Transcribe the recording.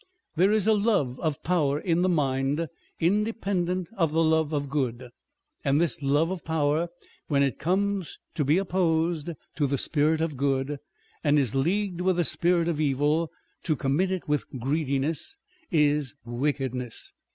There is a love of power in the mind independent of the love of good, and this love of power, when it comes to be opposed to the spirit of good, and is leagued with the spirit of evil to commit it with greediness, is wickedness.